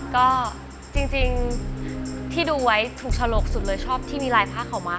ก็จริงที่ดูไว้ถูกฉลกสุดเลยชอบที่มีลายผ้าขาวม้า